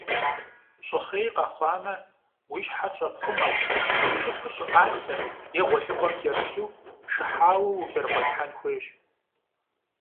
Щӏыхъей къэхъуамэ, уи щхьэр щӏэпхъумэу, уи щӏыбыр щӏыӏалъэм е гъуэлъыпӏэм кӏэрылъу, шыхьауэ укӏэрыгъуэлъхьэн хуейщ.